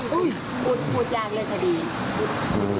พูดยากเลยคดี